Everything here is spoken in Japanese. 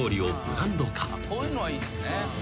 こういうのはいいっすね。